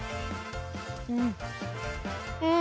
うん。